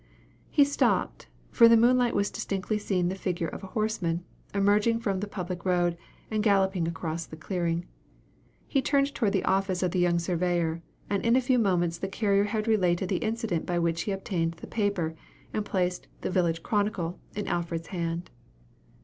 He stopped for in the moonlight was distinctly seen the figure of a horseman, emerging from the public road, and galloping across the clearing. He turned towards the office of the young surveyor, and in a few moments the carrier had related the incident by which he obtained the paper, and placed "The Village Chronicle" in Alfred's hand.